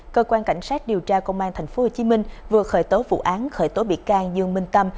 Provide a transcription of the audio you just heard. cơ quan cảnh sát điều tra công an tp hcm vừa khởi tố vụ án khởi tố bị can dương minh tâm